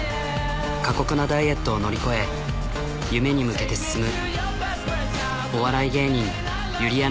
過酷なダイエットを乗り越え夢に向けて進むお笑い芸人ゆりやん